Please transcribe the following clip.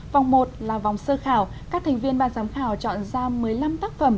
vòng một là vòng sơ khảo các thành viên ban giám khảo chọn ra một mươi năm tác phẩm